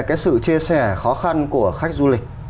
cái sự chia sẻ khó khăn của khách du lịch